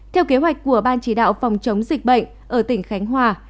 theo kế hoạch của ban chỉ đạo phòng chống dịch bệnh ở tỉnh khánh hòa